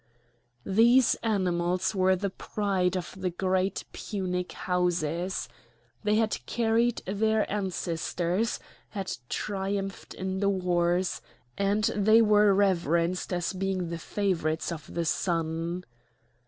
These animals were the pride of the great Punic houses. They had carried their ancestors, had triumphed in the wars, and they were reverenced as being the favourites of the Sun.